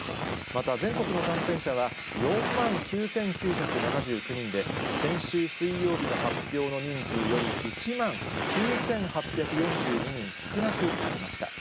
また、全国の感染者は４万９９７９人で、先週水曜日の発表の人数より１万９８４２人少なくなりました。